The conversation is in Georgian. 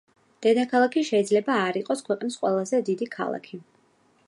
დედაქალაქი შეიძლება არ იყოს ქვეყნის ყველაზე დიდი ქალაქი.